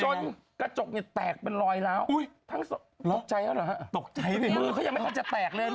จนกระจกเนี่ยแตกเป็นรอยแล้วอุ้ยทั้งสองหรอตกใจแล้วเหรอฮะตกใจมือเขายังไม่ทันจะแตกเลย